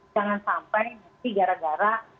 jangan sampai nanti gara gara